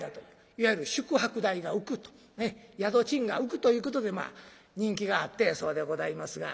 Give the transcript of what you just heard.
いわゆる宿泊代が浮くと宿賃が浮くということで人気があったんやそうでございますが。